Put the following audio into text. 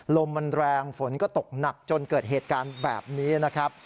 ลมมันแรงฝนก็ตกหนักจนเกิดเหตุการณ์แบบนี้นะครับ